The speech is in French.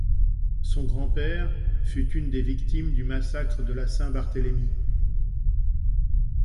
Son grand-père fut une des victimes du massacre de la Saint-Barthélemy.